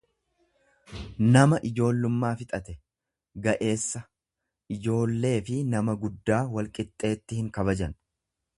nama ijoollummaa fixate, ga'eessa; Ijoolleefi nama guddaa wal qixxeetti hinkabajan.